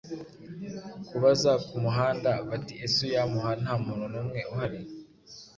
kubaza Kamuhanda bati: Ese uyamuha nta muntu n’umwe uhari